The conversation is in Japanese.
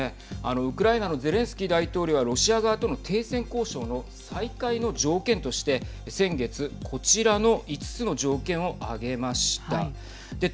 ウクライナのゼレンスキー大統領はロシア側との停戦交渉の再開の条件として先月、こちらの５つの条件を挙げました。